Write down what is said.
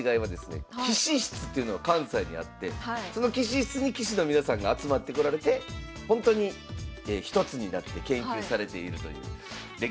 棋士室というのが関西にあってその棋士室に棋士の皆さんが集まってこられてほんとに一つになって研究されているという歴史がございます。